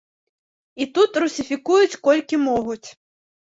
І тут русіфікуюць колькі могуць.